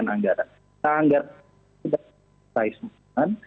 kita anggarkan anggaran yang sudah disesuaikan